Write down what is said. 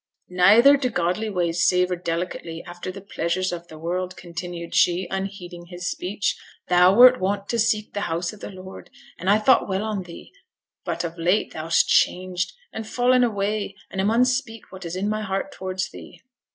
'Neither do godly ways savour delicately after the pleasures of the world,' continued she, unheeding his speech. 'Thou wert wont to seek the house of the Lord, and I thought well on thee; but of late thou'st changed, and fallen away, and I mun speak what is in my heart towards thee.'